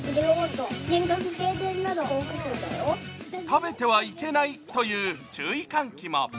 食べてはいけないという注意喚起も。